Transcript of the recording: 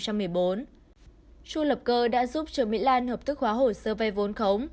chu lập cơ đã giúp trường mỹ lan hợp thức khóa hồ sơ vay vốn khống